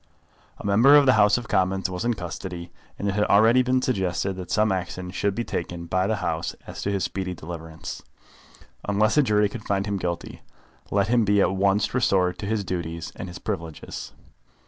A member of the House of Commons was in custody, and it had already been suggested that some action should be taken by the House as to his speedy deliverance. Unless a jury could find him guilty, let him be at once restored to his duties and his privileges.